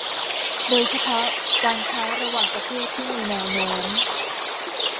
โดยเฉพาะการค้าระหว่างประเทศที่มีแนวโน้ม